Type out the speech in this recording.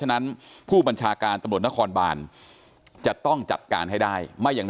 ฉะนั้นผู้บัญชาการตำรวจนครบานจะต้องจัดการให้ได้ไม่อย่างนั้น